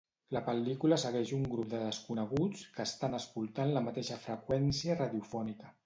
La pel·lícula segueix un grup de desconeguts que estan escoltant la mateixa freqüència radiofònica.